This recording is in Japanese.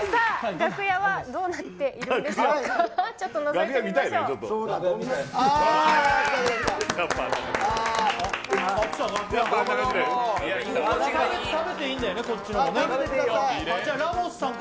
楽屋はどうなっているんでしょうか。